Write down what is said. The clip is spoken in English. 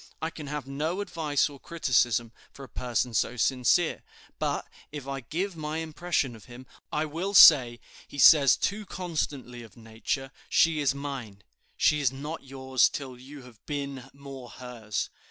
I can have no advice or criticism for a person so sincere; but, if I give my impression of him, I will say, 'He says too constantly of Nature, she is mine.' She is not yours till you have been more hers.